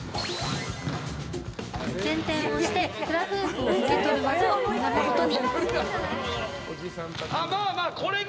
前転をしてフラフープを受け取る技を学ぶことに。